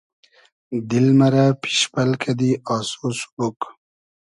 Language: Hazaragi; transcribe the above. دیل مئرۂ پیشپئل کئدی آسۉ سوبوگ